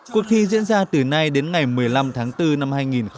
cuộc thi diễn ra từ nay đến ngày một mươi năm tháng bốn năm hai nghìn một mươi tám